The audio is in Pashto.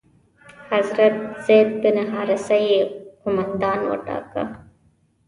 حضرت زید بن حارثه یې قومندان وټاکه.